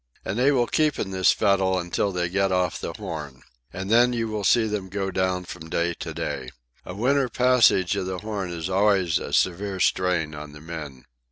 And they will keep in this fettle until they get off the Horn. And then you will see them go down from day to day. A winter passage of the Horn is always a severe strain on the men.